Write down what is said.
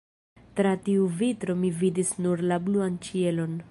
Tra tiu vitro mi vidis nur la bluan ĉielon.